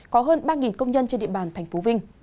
có hơn ba công nhân trên địa bàn tp vinh